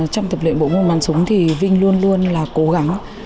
trong tập luyện bộ môn bắn súng thì vinh luôn luôn là cố gắng